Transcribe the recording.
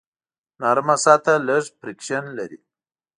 نرم سطحه لږ فریکشن لري.